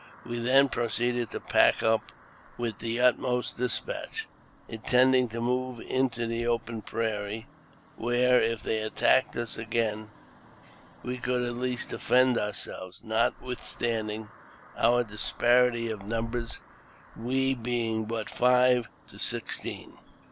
We then proceeded to pack up with the utmost despatch, intending to move into the open prairie, where, if they attacked us again, we could at least defend our selves, notwithstanding our disparity of numbers, we being but five to sixteen.